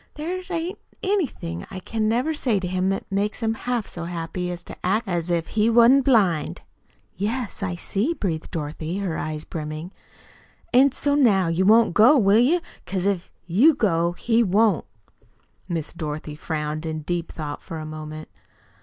There ain't anything I can ever say to him that makes him half so happy as to act as if he wa'n't blind." "Yes, I see," breathed Dorothy, her eyes brimming. "An' so now you won't go, will you? Because if you go, he won't." Miss Dorothy frowned in deep thought for a moment.